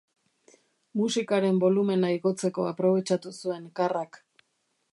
Musikaren bolumena igotzeko aprobetxatu zuen Karrak.